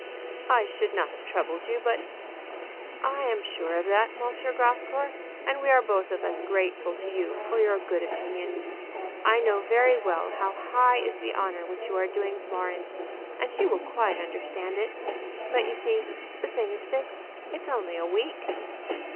"I should not have troubled you, but " "I am sure of that, M. Grascour; and we are both of us grateful to you for your good opinion. I know very well how high is the honor which you are doing Florence, and she will quite understand it. But you see the thing is fixed; it's only a week."